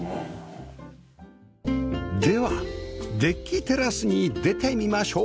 ではデッキテラスに出てみましょう